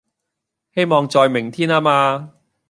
希望在明天吖嘛